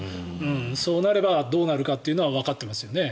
そうなればどうなるかというのはわかっていますね。